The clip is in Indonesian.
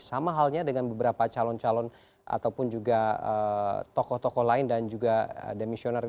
sama halnya dengan beberapa calon calon ataupun juga tokoh tokoh lain dan juga demisioner